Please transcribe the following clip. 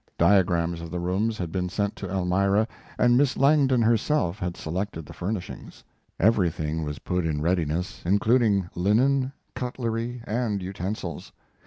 Diagrams of the rooms had been sent to Elmira and Miss Langdon herself had selected the furnishings. Everything was put in readiness, including linen, cutlery, and utensils.